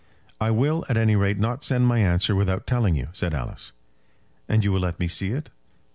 "I will, at any rate, not send my answer without telling you," said Alice. "And you will let me see it?"